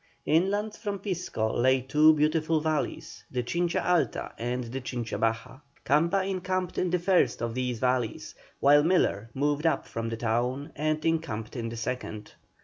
Inland from Pisco lay two beautiful valleys, the Chincha Alta and the Chincha Baja. Camba encamped in the first of these valleys, while Miller moved up from the town and encamped in the second.